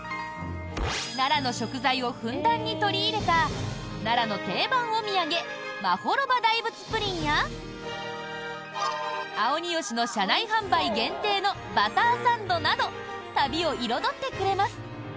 奈良の食材をふんだんに取り入れた奈良の定番お土産まほろば大仏プリンやあをによしの車内販売限定のバターサンドなど旅を彩ってくれます。